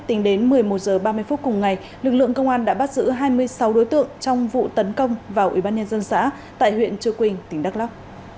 tính đến một mươi một h ba mươi phút cùng ngày lực lượng công an đã bắt giữ hai mươi sáu đối tượng trong vụ tấn công vào ủy ban nhân dân xã tại huyện chưa quỳnh tỉnh đắk lóc